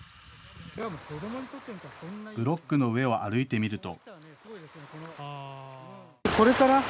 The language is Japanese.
ブロックの上を歩いてみると。